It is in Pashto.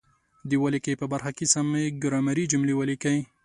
د ولیکئ په برخه کې سمې ګرامري جملې ولیکئ.